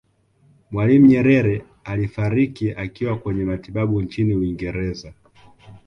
mwalimu nyerere alifariki akiwa kwenye matibabu nchini uingereza